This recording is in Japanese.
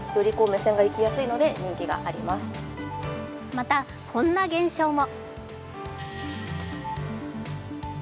また、こんな現象も。